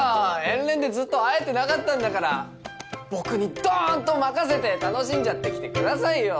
遠恋でずっと会えてなかったんだから僕にどーんと任せて楽しんじゃってきてくださいよ。